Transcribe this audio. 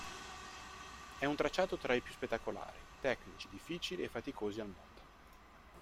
È un tracciato tra i più spettacolari, tecnici, difficili e faticosi al mondo.